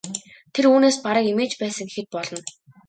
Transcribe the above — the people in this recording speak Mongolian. Тэр үүнээс бараг эмээж байсан гэхэд болно.